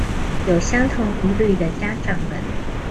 有相同疑慮的家長們